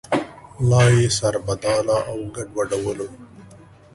لا یې سربداله او ګډوډولو.